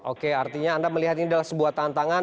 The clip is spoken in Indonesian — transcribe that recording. oke artinya anda melihat ini adalah sebuah tantangan